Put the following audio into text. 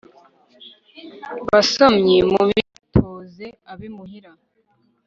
basomyi mubitoze ab'imuhira